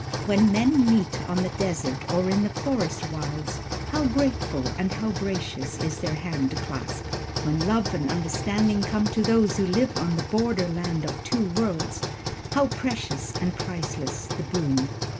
When men meet on the desert or in the forest wilds, how grateful and how gracious is their hand clasp! When love and understanding come to those who live on the border land of two worlds, how precious and priceless the boon!